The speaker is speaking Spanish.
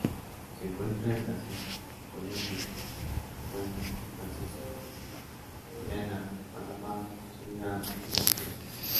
Se encuentra en Brasil, Colombia, Guayana Francesa, Guyana, Panamá, Surinam y Venezuela.